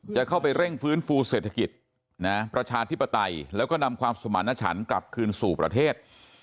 จะเข้าไปเร่งฟื้นฟูเศรษฐกิจประชาธิปไตยแล้วก็นำความสมารณชันกลับคืนสู่ประเทศ